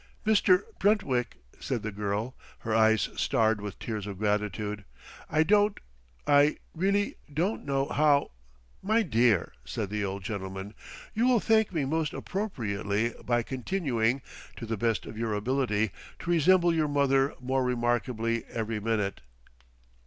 "Mr. Brentwick," said the girl, her eyes starred with tears of gratitude, "I don't, I really don't know how " "My dear," said the old gentleman, "you will thank me most appropriately by continuing, to the best of your ability, to resemble your mother more remarkably every minute."